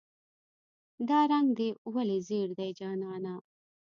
"دا رنګ دې ولې زیړ دی جانانه".